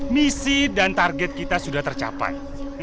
misi dan target kita sudah tercapai